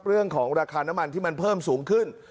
เรื่องของราคาน้ำมันที่มันเพิ่มสูงขึ้น